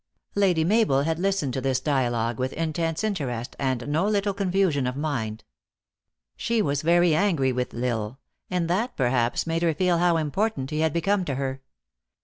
Lady Mabel had listened to this dialogue with in tense interest, and no little confusion of mind. She was very angry with L Isle, and that perhaps made her feel how important he had become to her.